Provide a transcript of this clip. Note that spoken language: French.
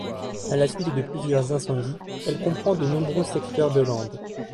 À la suite de plusieurs incendies, elle comprend de nombreux secteurs de landes.